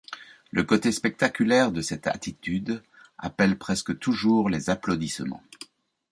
Le côté spectaculaire de cette attitude appelle presque toujours les applaudissements.